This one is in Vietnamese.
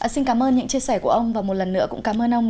xin cảm ơn những chia sẻ của ông và một lần nữa cũng cảm ơn ông